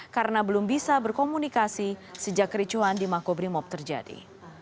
karena belum bisa berkomunikasi sejak kericuan di makobrimob terjadi